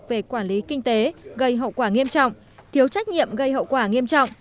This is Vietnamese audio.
về quản lý kinh tế gây hậu quả nghiêm trọng thiếu trách nhiệm gây hậu quả nghiêm trọng